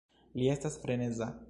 Li estas freneza